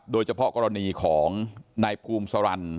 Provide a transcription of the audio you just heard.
โดยเฉพาะกรณีของนายภูมิสารัน